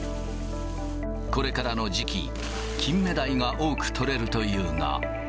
これからの時期、キンメダイが多く取れるというが。